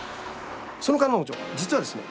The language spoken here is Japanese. その彼女実はですね